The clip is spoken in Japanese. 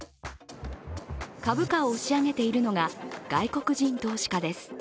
株価を押し上げているのが外国人投資家です。